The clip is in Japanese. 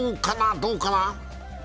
どうかな？